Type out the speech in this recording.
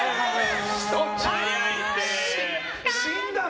死んだん？